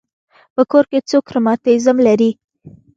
په کور کې څوک رماتیزم لري.